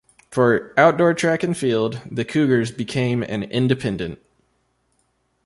For outdoor track and field, the Cougars became an Independent.